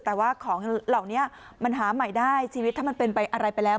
แต่ว่าของเหล่านี้มันหาใหม่ได้ชีวิตถ้ามันเป็นไปอะไรไปแล้ว